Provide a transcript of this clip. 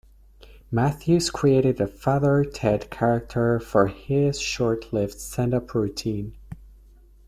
Mathews created the Father Ted character for his short-lived stand-up routine.